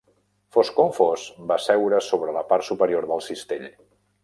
Fos com fos, va seure sobre la part superior del cistell.